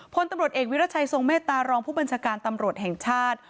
พลตำรวจเอกวิรัชัยทรงเมตตารองผู้บัญชาการตำรวจแห่งชาติ